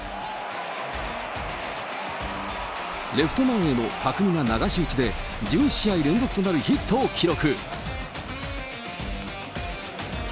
レフト前への巧みな流し打ちで、１１試合連続となるヒットを記録。